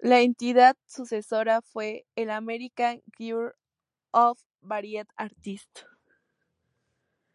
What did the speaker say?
La entidad sucesora fue el American Guild of Variety Artists.